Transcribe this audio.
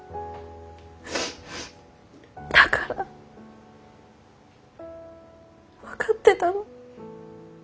だから分かってたの。